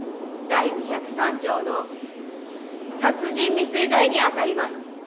第２０３条の殺人未遂罪にあたります。